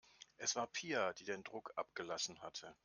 Es war Pia, die den Druck abgelassen hatte.